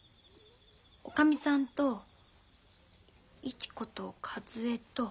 おかみさんと市子と一恵と竜太先生。